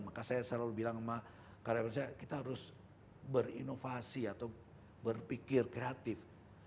maka saya selalu bilang sama karyawan saya kita harus berinovasi atau berpikir kreatif